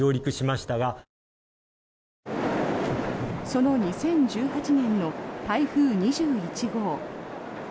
その２０１８年の台風２１号。